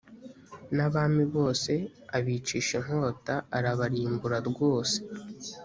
n abami bose abicisha inkota arabarimbura rwose